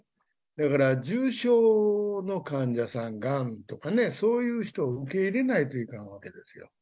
だから重症の患者さん、がんとかね、そういう人を受け入れないといかんわけですよ。